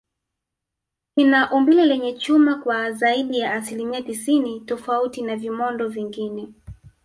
kina umbile lenye chuma kwa zaidi ya asilimia tisini tofauti na vimondo vingine